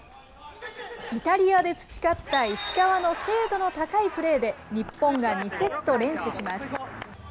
イタリアで培った石川の精度の高いプレーで、日本が２セット連取します。